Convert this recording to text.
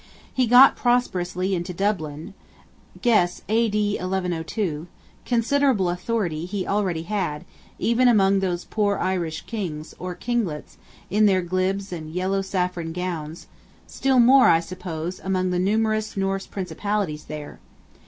He got prosperously into Dublin (guess A.D. 1102). Considerable authority he already had, even among those poor Irish Kings, or kinglets, in their glibs and yellow saffron gowns; still more, I suppose, among the numerous Norse Principalities there.